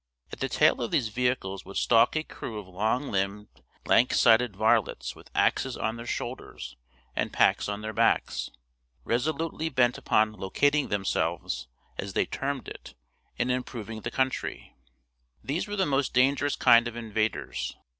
At the tail of these vehicles would stalk a crew of long limbed, lank sided varlets with axes on their shoulders, and packs on their backs, resolutely bent upon "locating" themselves, as they termed it, and improving the country. These were the most dangerous kind of invaders.